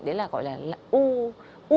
đấy là gọi là u